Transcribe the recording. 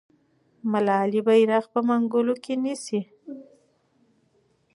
ملالۍ بیرغ په منګولو کې نیسي.